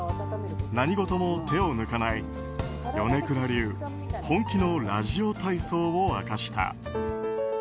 何事も手を抜かない、米倉流本気のラジオ体操を明かした。